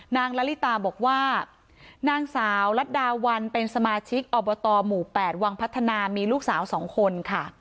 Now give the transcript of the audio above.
นางละลิตาบอกว่านางสาวลัดดาวันเป็นสมาชิกอบตหมู่๘วังพัฒนามีลูกสาว๒คนค่ะ